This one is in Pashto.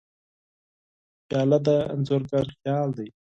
پیاله د انځورګر خیال دی.